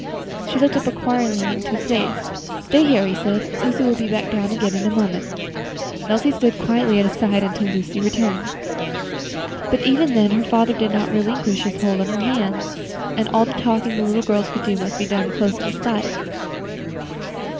She looked up inquiringly into his face. "Stay here," he said. "Lucy will be down again in a moment." And Elsie stood quietly at his side until Lucy returned. But even then her father did not relinquish his hold of her hand, and all the talking the little girls could do must be done close at his side.